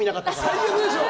最悪でしょ？